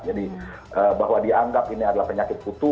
jadi bahwa dianggap ini adalah penyakit utuh